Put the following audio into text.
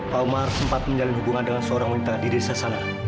pak omar sempat menjalin hubungan dengan seorang wanita di desa sana